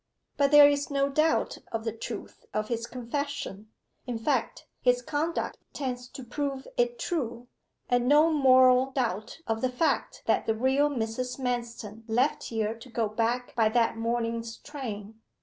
But there is no doubt of the truth of his confession in fact, his conduct tends to prove it true and no moral doubt of the fact that the real Mrs. Manston left here to go back by that morning's train.